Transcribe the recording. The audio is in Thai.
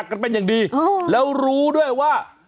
เบิร์ตลมเสียโอ้โห